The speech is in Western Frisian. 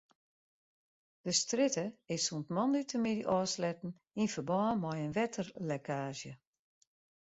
De strjitte is sûnt moandeitemiddei ôfsletten yn ferbân mei in wetterlekkaazje.